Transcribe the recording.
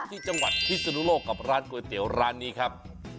ที่จังหวัดพิศนุโลกกับร้านก๋วยเตี๋ยวร้านนี้ครับ